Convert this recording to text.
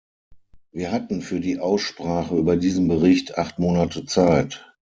Wir hatten für die Aussprache über diesen Bericht acht Monate Zeit.